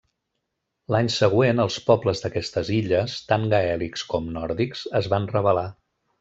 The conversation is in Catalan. L’any següent, els pobles d’aquestes illes, tant gaèlics com nòrdics, es van rebel·lar.